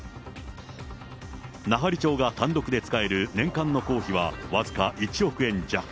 奈半利町が単独で使える年間の公費は僅か１億円弱。